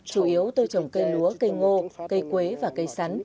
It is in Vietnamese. chủ yếu tôi trồng cây lúa cây ngô cây quế và cây sắn